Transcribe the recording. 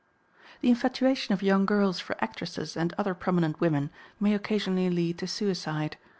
The infatuation of young girls for actresses and other prominent women may occasionally lead to suicide.